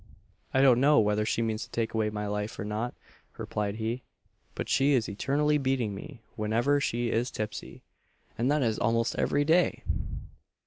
"I don't know whether she means to take away my life, or not," replied he, "but she is eternally beating me whenever she is tipsy; and that is almost every day!"